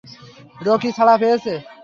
Rocky ছাড়া পেয়েছে।